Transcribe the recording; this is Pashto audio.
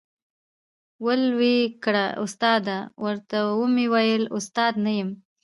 ول وې کړه ، استاده ، ورته ومي ویل استاد نه یم ،